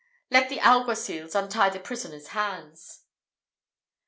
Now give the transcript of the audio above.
Let the alguacils untie the prisoner's hands."